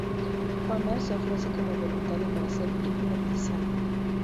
Homer se ofrece como voluntario para ser hipnotizado.